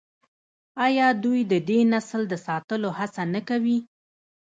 آیا دوی د دې نسل د ساتلو هڅه نه کوي؟